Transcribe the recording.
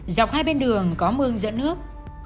dọc hai bên đường có mương giữa nước